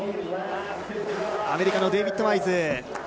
アメリカのデイビッド・ワイズ。